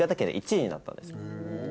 になったんですよ。